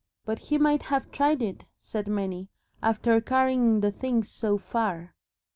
"But he might have tried it," said many, "after carrying the thing so far."